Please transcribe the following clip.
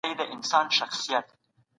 غړو به د ځوانانو د بېکارۍ کچه راټيټه کړي وي.